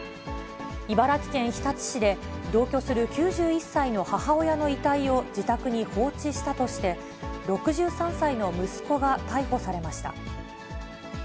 茨城県日立市で、同居する９１歳の母親の遺体を自宅に放置したとして、６３歳の息子が逮捕されました。